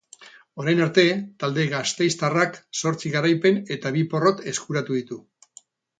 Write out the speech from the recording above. Orain arte, talde gasteiztarrak zortzi garaipen eta bi porrot eskuratu ditu.